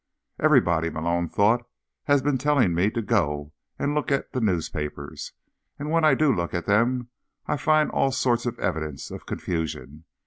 Everybody, Malone thought, _has been telling me to go and look at the newspapers. And when I do look at them I find all sorts of evidence of confusion.